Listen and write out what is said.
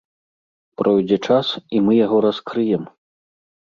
Пройдзе час, і мы яго раскрыем.